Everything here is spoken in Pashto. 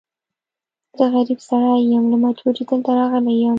زه غريب سړی يم، له مجبوری دلته راغلی يم.